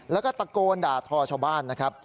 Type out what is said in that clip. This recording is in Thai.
แล้วก็ตะโกนด่าทอชาวบ้านนะครับ